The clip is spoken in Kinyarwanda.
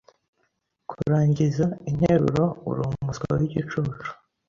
kurangiza interuroUrumuswa wigicucu,